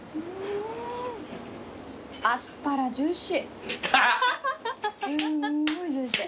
アスパラジューシー。